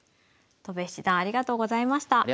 戸辺七段ありがとうございました。